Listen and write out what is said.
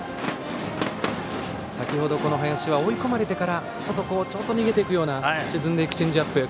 先程林は追い込まれてから外に、ちょっと逃げていくような沈んでいくチェンジアップを。